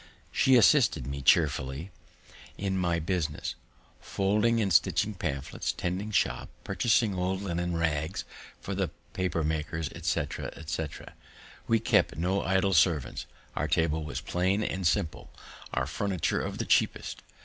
She assisted me chearfully in my business, folding and stitching pamphlets, tending shop, purchasing old linen rags for the paper makers, etc., etc. We kept no idle servants, our table was plain and simple, our furniture of the cheapest.